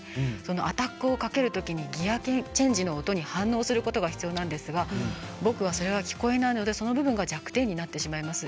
アタックをかけるときにギヤチェンジの音に反応することが必要なんですが僕はそれは聞こえないのでその部分が弱点になってしまいます。